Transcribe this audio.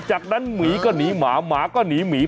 จากนั้นหมีก็หนีหมาหมาก็หนีหมี